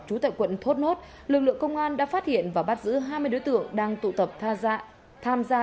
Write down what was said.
trú tại quận thốt nốt lực lượng công an đã phát hiện và bắt giữ hai mươi đối tượng đang tụ tập tham gia